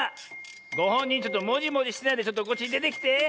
ごほんにんちょっともじもじしてないでちょっとこっちでてきて。